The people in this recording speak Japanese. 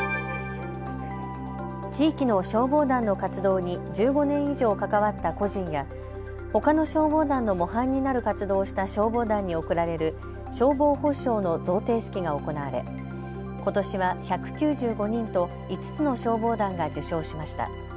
地域の消防団の活動に１５年以上関わった個人やほかの消防団の模範になる活動をした消防団に贈られる消防褒賞の贈呈式が行われことしは１９５人と５つの消防団が受賞しました。